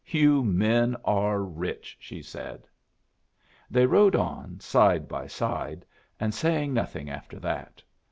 "You men are rich," she said. They rode on, side by side, and saying nothing after that.